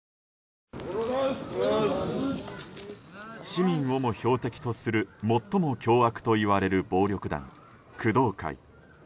市民をも標的とする最も凶悪といわれる暴力団工藤会。